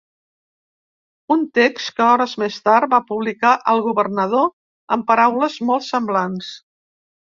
Un text que hores més tard va publicar el governador amb paraules molt semblants.